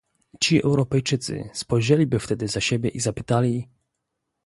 Ci Europejczycy spojrzeliby wtedy za siebie i zapytali